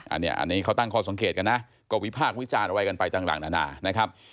อันนี้เขาตั้งข้อสังเกตกันนะก็วิพากษ์วิจารณ์อะไรกันไปต่างนานานะครับ